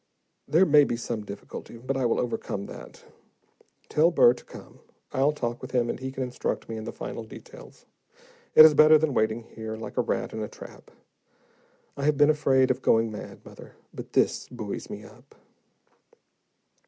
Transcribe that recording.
There may be some difficulty, but I will overcome that. Tell Burr to come. I'll talk with him and he can instruct me in the final details. It is better than waiting here like a rat in a trap. I have been afraid of going mad, mother, but this buoys me up."